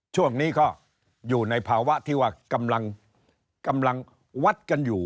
ช่วงนี้ก็อยู่ในภาวะที่ว่ากำลังวัดกันอยู่